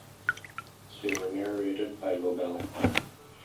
They were narrated by Lobel.